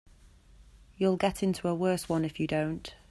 You'll get into a worse one if you don't.